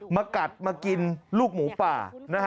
มากัดมากินลูกหมูป่า